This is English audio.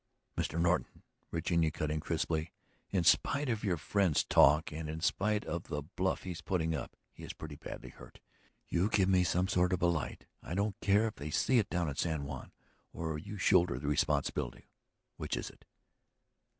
..." "Mr. Norton," Virginia cut in crisply, "in spite of your friend's talk and in spite of the bluff he is putting up he is pretty badly hurt. You give me some sort of a light, I don't care if they see it down at San Juan, or you shoulder the responsibility. Which is it?"